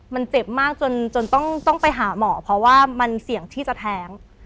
มันเจ็บมากจนต้องไปหาหมอเพราะว่ามันเสี่ยงที่จะแท้ง